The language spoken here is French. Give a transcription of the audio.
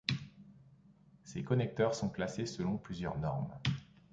Ces connecteurs sont classées selon plusieurs normes.